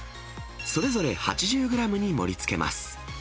それぞれ８０グラムに盛りつけます。